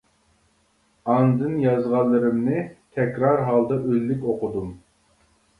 ئاندىن يازغانلىرىمنى تەكرار ھالدا ئۈنلۈك ئوقۇدۇم.